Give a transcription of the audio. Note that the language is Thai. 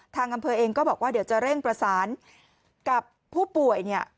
ทางอำเภอเองก็บอกว่าเดี๋ยวจะเร่งประสานกับผู้ป่วยเนี่ย